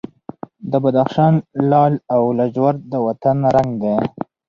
د بدخشان لعل او لاجورد د وطن رنګ دی.